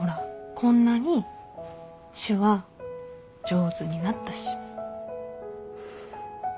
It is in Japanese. こんなに手話上手になったし。